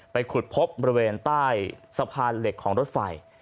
ขุดพบบริเวณใต้สะพานเหล็กของรถไฟ